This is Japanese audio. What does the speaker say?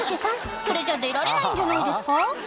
それじゃ出られないんじゃないですか？